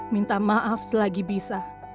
minta maaf selagi bisa